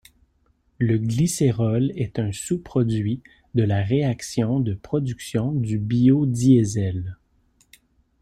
Le glycérol est un sous-produit de la réaction de production du biodiesel.